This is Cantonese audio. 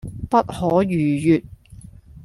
不可逾越